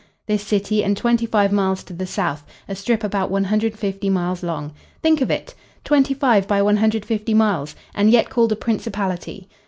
This city and twenty five miles to the south, a strip about one hundred fifty miles long. Think of it! Twenty five by one hundred fifty miles, and yet called a principality!